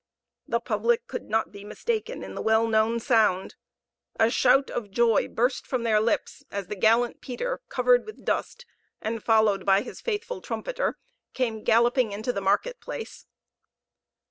The public could not be mistaken in the well known sound; a shout of joy burst from their lips as the gallant Peter, covered with dust, and followed by his faithful trumpeter, came galloping into the marketplace.